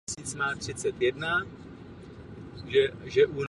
Největším nepřítelem těchto oprav jsou snad ve všech případech finance.